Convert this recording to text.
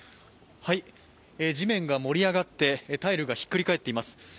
地面が盛り上がってタイルがひっくり返っています。